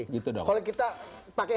kalau kita pakai helikopter view